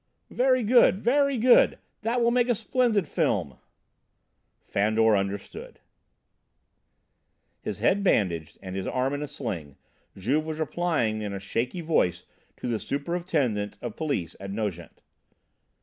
"Very good! Very good! That will make a splendid film!" Fandor understood His head bandaged and his arm in a sling, Juve was replying in a shaky voice to the Superintendent of Police of Nogent.